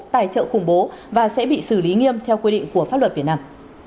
tài trợ khủng bố và sẽ bị xử lý nghiêm theo quy định của pháp luật việt nam